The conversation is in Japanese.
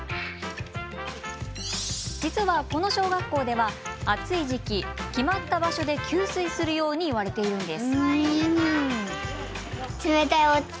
実はこの小学校では、暑い時期決まった場所で給水するように言われているんです。